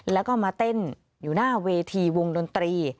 แล้วก็มาเต้นอยู่หน้าเวทีวงดนตรี